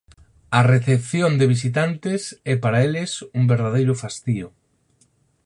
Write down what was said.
a recepción de visitantes é para eles un verdadeiro fastío.